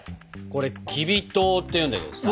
これきび糖っていうんだけどさ。